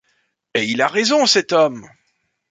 Et il a raison, cet homme !